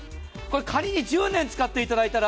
仮に１０年使っていただいたら。